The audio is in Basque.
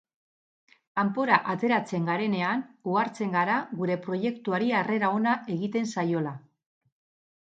Kanpora ateratzen garenean ohartzen gara gure proiektuari harrera ona egiten zaiola.